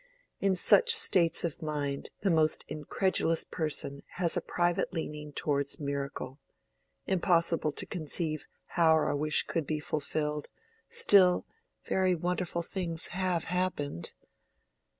In such states of mind the most incredulous person has a private leaning towards miracle: impossible to conceive how our wish could be fulfilled, still—very wonderful things have happened!